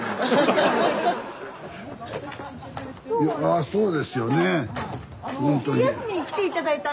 あそうですよね。